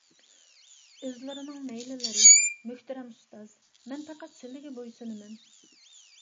ئۆزلىرىنىڭ مەيلىلىرى، مۆھتەرەم ئۇستاز، مەن پەقەت سىلىگە بويسۇنىمەن.